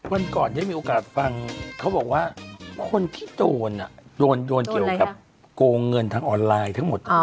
วันก่อนได้มีโอกาสฟังเขาบอกว่าคนที่โดนโดนเกี่ยวกับโกงเงินทางออนไลน์ทั้งหมด